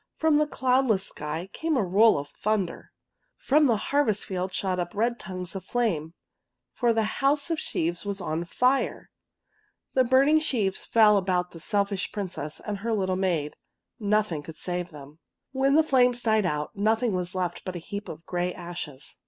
From the cloudless sky came a roll of thunder. From the harvest field shot up red tongues of flame, for the house of sheaves was on fire. 166 THE POPPY The burning sheaves fell about the selfish Princess and her little maid. Nothing eould save them. When the flames died out, nothing was left but a heap of gray ashes.